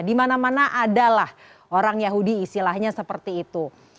dimana mana adalah orang yahudi istilahnya seperti itu